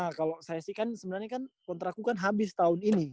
nah kalo saya sih kan sebenernya kontrak aku kan habis tahun ini